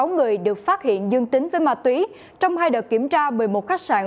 sáu người được phát hiện dương tính với ma túy trong hai đợt kiểm tra một mươi một khách sạn